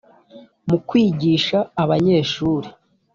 mu kwigisha abanyeshuri